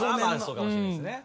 そうかもしれないっすね。